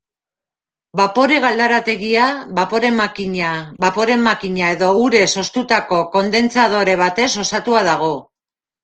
Bapore-galdarategia, bapore-makina, bapore-makina edo urez hoztutako kondentsadore batez osatua dago.